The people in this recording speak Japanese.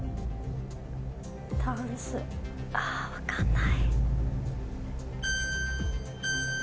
タンスあぁ分かんない。